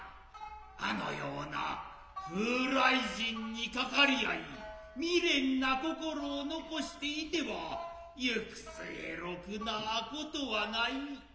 あの様な風来人にかかりあい未練な心を残していては行く末ろくな事はない。